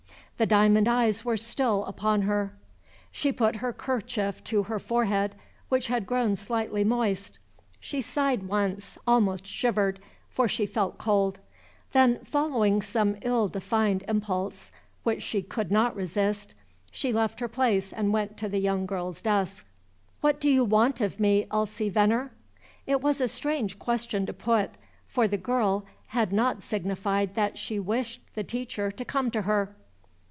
The diamond eyes were still upon her. She put her kerchief to her forehead, which had grown slightly moist; she sighed once, almost shivered, for she felt cold; then, following some ill defined impulse, which she could not resist, she left her place and went to the young girl's desk. "What do you want of me, Elsie Venner?" It was a strange question to put, for the girl had not signified that she wished the teacher to come to her.